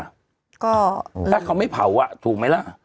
ก็ถ้าเขาไม่เผาอ่ะถูกไหมล่ะ